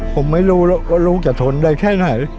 ผมไม่รู้ว่าลูกจะทนได้แค่ไหน